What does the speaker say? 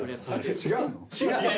違うの？